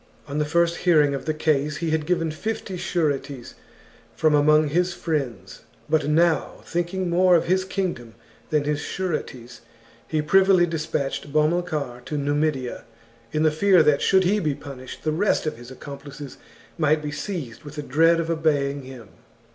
On the first hearing of the case he had given fifty sureties from among his friends, but now, thinking more of his kingdom than his sureties, he privily despatched Bomilcar to Numidia, in the fear that, should he be punished, the rest of his accomplices might be seized with a dread of obeying him.